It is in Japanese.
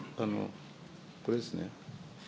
これですね。